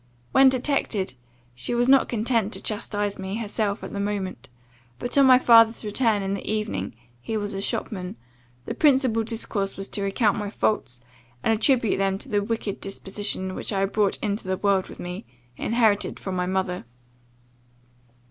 When detected, she was not content to chastize me herself at the moment, but, on my father's return in the evening (he was a shopman), the principal discourse was to recount my faults, and attribute them to the wicked disposition which I had brought into the world with me, inherited from my mother.